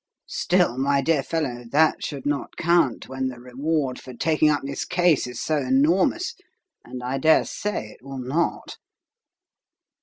"Still, my dear fellow, that should not count when the reward for taking up this case is so enormous and I dare say it will not."